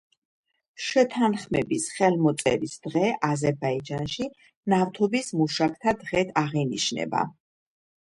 შეთანხმების ხელმოწერის დღე აზერბაიჯანში ნავთობის მუშაკთა დღედ აღინიშნება.